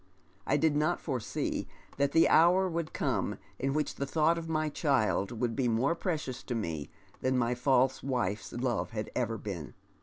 I did not forsee that the hour would come in which the thought of ray child would be more precious to me than my false wife's love had even been.